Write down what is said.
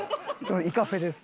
イカフェです。